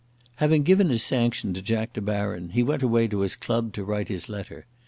Having given his sanction to Jack De Baron, he went away to his club to write his letter.